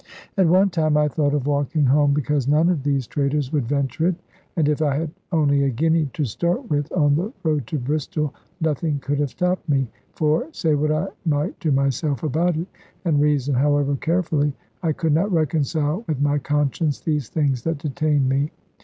At one time I thought of walking home, because none of these traders would venture it; and if I had only a guinea to start with on the road to Bristol, nothing could have stopped me. For, say what I might to myself about it, and reason however carefully, I could not reconcile with my conscience these things that detained me.